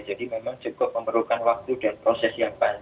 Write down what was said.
jadi memang cukup memerlukan waktu dan proses yang panjang